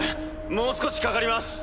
もう少しかかります。